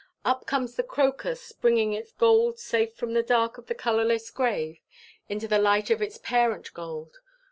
Up comes the crocus, bringing its gold safe from the dark of its colourless grave into the light of its parent gold.